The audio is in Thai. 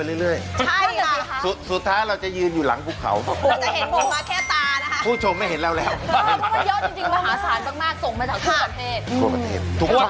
ที่ดูไว้ไม่ใช่วันนี้นี้วันเดียวนะ